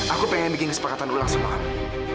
aku pengen bikin kesepakatan ulang sama anak